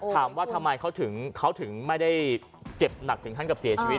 ถามว่าทำไมเขาถึงไม่ได้เจ็บหนักถึงขั้นกับเสียชีวิต